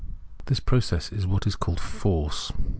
This process is what is called Force.